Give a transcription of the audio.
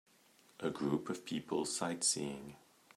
A group of people sightseeing.